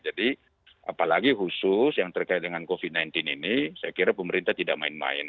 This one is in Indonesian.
jadi apalagi khusus yang terkait dengan covid sembilan belas ini saya kira pemerintah tidak main main